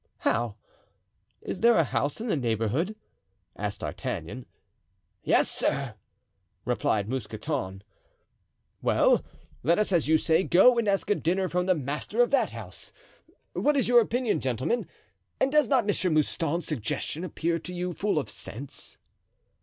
"How! is there a house in the neighborhood?" asked D'Artagnan. "Yes, sir," replied Mousqueton. "Well, let us, as you say, go and ask a dinner from the master of that house. What is your opinion, gentlemen, and does not M. Mouston's suggestion appear to you full of sense?"